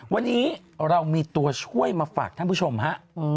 วันนี้เรามีตัวช่วยมาฝากท่านผู้ชมฮะ